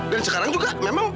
dan sekarang juga memang